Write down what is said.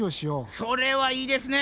それはいいですね。